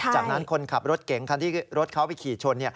จากนั้นคนขับรถเก๋งคันที่รถเขาไปขี่ชน